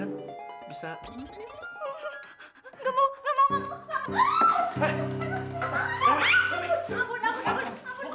ampun ampun ampun